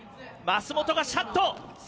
舛元がシャット。